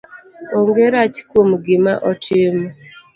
Onge rach kuom gima otimo